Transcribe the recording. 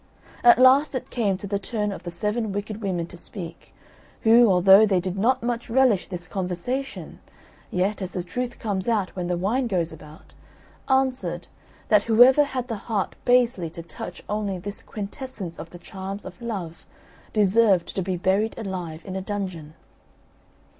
At last it came to the turn of the seven wicked women to speak, who, although they did not much relish this conversation, yet, as the truth comes out when the wine goes about, answered, that whoever had the heart basely to touch only this quintessence of the charms of love deserved to be buried alive in a dungeon.